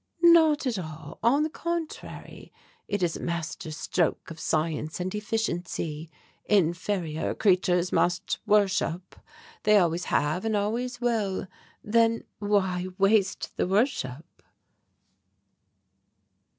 "Not at all; on the contrary, it is a master stroke of science and efficiency inferior creatures must worship; they always have and always will then why waste the worship?"